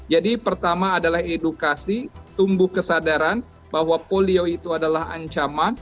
jadi pertama adalah edukasi tumbuh kesadaran bahwa polio itu adalah ancaman